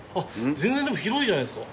全然広いじゃないですか。